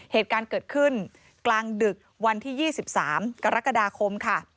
เหตุการณ์เกิดขึ้นกลางดึกวันที่๒๓กรกฎาคมค่ะ